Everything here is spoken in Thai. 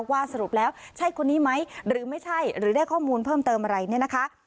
สรุปแล้วใช่คนนี้ไหมหรือไม่ใช่หรือได้ข้อมูลเพิ่มเติมอะไรเนี่ยนะคะ